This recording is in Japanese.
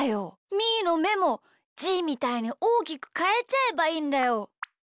みーのめもじーみたいにおおきくかえちゃえばいいんだよ。